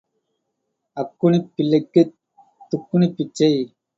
அக்குணிப் பிள்ளைக்குத் துக்குணிப் பிச்சை.